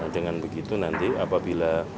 dengan begitu nanti apabila